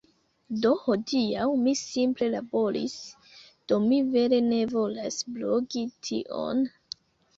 Do hodiaŭ, mi simple laboris, Do mi vere ne volas blogi tion...